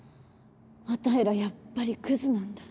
あたいらやっぱりクズなんだ。